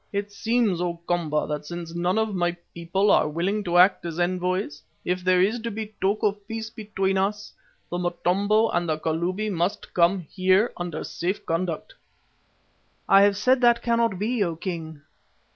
"It seems, O Komba, that since none of my people are willing to act as envoys, if there is to be talk of peace between us, the Motombo and the Kalubi must come here under safe conduct." "I have said that cannot be, O King."